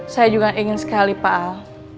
saya juga ingin sekali pak ahok